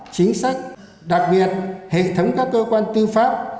chính sách đặc biệt hệ thống các cơ quan tư pháp